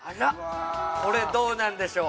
これどうなんでしょう。